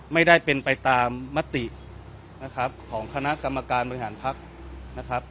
ไม่ได้เป็นไปตามมตินะครับของคณะกรรมการบริหารภักดิ์นะครับ